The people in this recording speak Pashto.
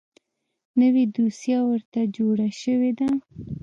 نوې دوسیه ورته جوړه شوې ده .